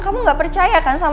kamu gak percaya kan sama semua